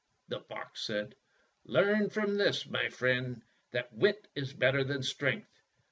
" the fox said. "Learn from this, my friend, that wit is better than strength.